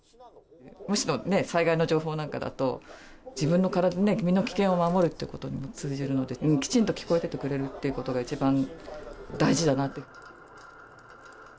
災害の情報なんかだと、自分の身の危険を守るということに通じるので、きちんと聞こえててくれるというのが、一番大事だなと。